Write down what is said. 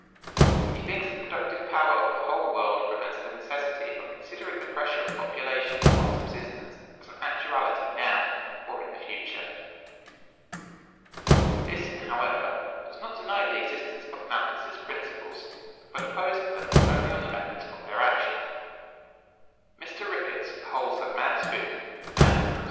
He thinks the productive power of the whole world prevents the necessity of considering the pressure of population upon subsistence as an actuality now or in the future. This, however, does not deny the existence of Malthus's principles, but opposes them only on the methods of their action. Mr. Rickards(120) holds that man's food—as, e.g.